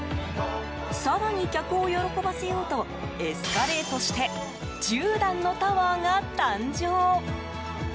更に客を喜ばせようとエスカレートして１０段のタワーが誕生。